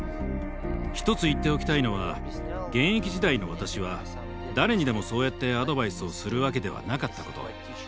一つ言っておきたいのは現役時代の私は誰にでもそうやってアドバイスをするわけではなかったこと。